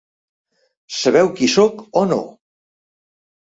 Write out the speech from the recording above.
Sabeu qui sóc o no?